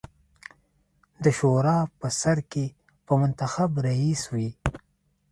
د شورا په سر کې به منتخب رییس وي.